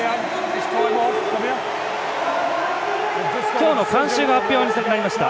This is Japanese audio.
今、今日の観衆が発表になりました。